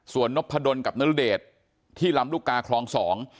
ส่วนนพดลกับนรเดชที่ลำลูกกาคลองสอง